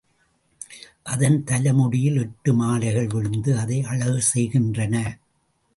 அதன் தலை முடியில் எட்டு மாலைகள் விழுந்து அதை அழகு செய்கின்றன.